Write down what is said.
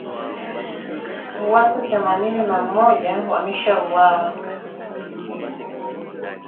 watu themanini na moja wameshauawa